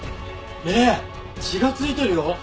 ねえ血がついてるよ。